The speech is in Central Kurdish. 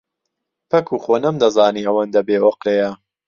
پەکوو، خۆ نەمدەزانی ئەوەندە بێئۆقرەیە.